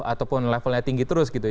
ataupun levelnya tinggi terus gitu